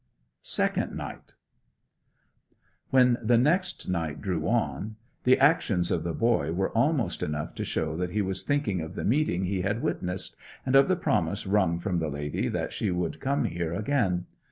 SECOND NIGHT When the next night drew on the actions of the boy were almost enough to show that he was thinking of the meeting he had witnessed, and of the promise wrung from the lady that she would come there again.